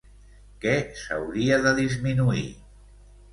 Què s'hauria de disminuir?